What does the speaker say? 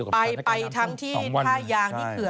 ไปทั้งที่ท่ายางที่เขื่อน